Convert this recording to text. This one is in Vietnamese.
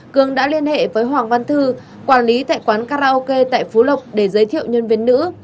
cường đã liên hệ với hoàng văn thư quản lý tại quán karaoke tại phú lộc để giới thiệu nhân viên nữ